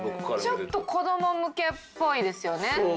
ちょっと子ども向けっぽいですよね。